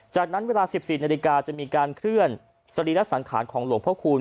จากนั้นเวลา๑๔นาฬิกาจะมีการเคลื่อนสรีระสังขารของหลวงพระคูณ